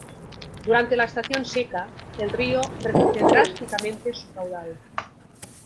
Durante la estación seca, el río reduce drásticamente su caudal.